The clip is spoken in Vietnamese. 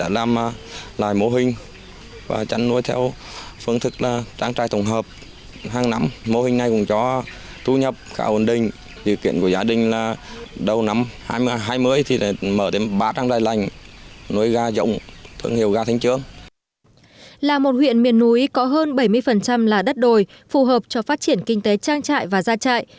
là một huyện miền núi có hơn bảy mươi là đất đồi phù hợp cho phát triển kinh tế trang trại và gia trại